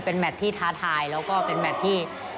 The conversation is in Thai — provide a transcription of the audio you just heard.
เป็นแมทที่ท้าทายแล้วก็เป็นแมทที่ใหญ่แมทหนึ่งเลย